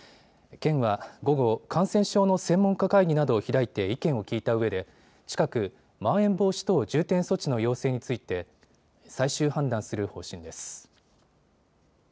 県は午後、感染症の専門家会議などを開いて意見を聞いたうえで近く、まん延防止等重点措置の要請について最終判断する方針です。